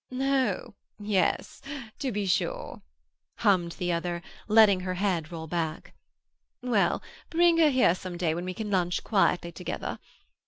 "Oh—yes—to be sure," hummed the other, letting her head roll back. "Well, bring her here some day when we can lunch quietly together.